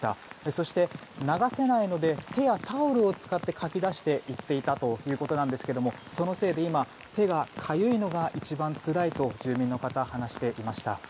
そして流せないので手やタオルを使ってかき出していったということなんですがそのせいで、今手がかゆいのが一番つらいと住民の方は話していました。